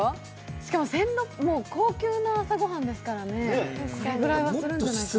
しかも高級な朝ごはんですからね、これぐらいはするんじゃないか。